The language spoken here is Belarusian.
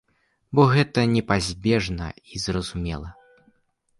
Бо гэта непазбежна і зразумела.